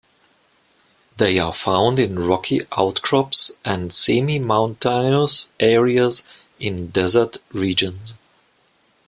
They are found in rocky outcrops and semi-mountainous areas in desert regions.